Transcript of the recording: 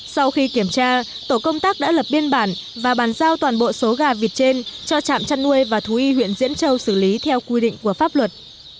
sau khi kiểm tra tổ công tác đã lập biên bản và bàn giao toàn bộ số gà vịt trên cho trạm chăn nuôi và thú y huyện diễn châu xử lý theo quy định của pháp luật